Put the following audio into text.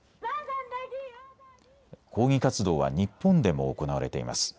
抗議活動は日本でも行われています。